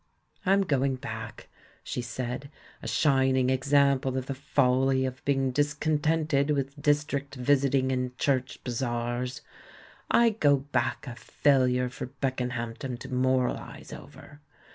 "I am going back," she said, "a shining ex ample of the folly of being discontented with district visiting and Church bazaars! I go back a failure for Beckenhampton to moralise over.